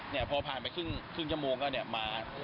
เนี่ยพอผ่านไปครึ่งชั่วโมงก็เนี่ยมา